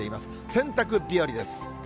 洗濯日和です。